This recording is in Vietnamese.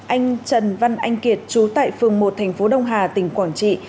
anh trần văn anh kiệt trú tại phường một tp đông hà tỉnh quảng trị